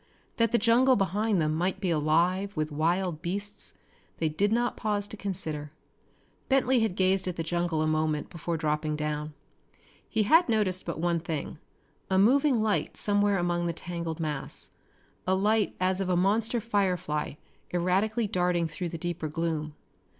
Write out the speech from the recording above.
That the jungle behind them might be alive with wild beasts they did not pause to consider. Bentley had gazed at the jungle a moment before dropping down. He had noticed but one thing a moving light somewhere among the tangled mass, a light as of a monster firefly erratically darting through the deeper gloom.